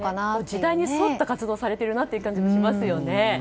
時代に沿った活動をされているなという感じもしますよね。